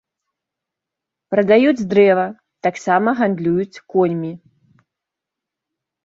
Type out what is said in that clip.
Прадаюць дрэва, таксама гандлююць коньмі.